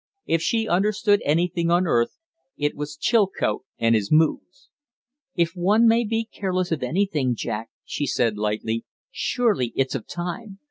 If she understood anything on earth it was Chilcote and his moods. "If one may be careless of anything, Jack," she said, lightly, "surely it's of time.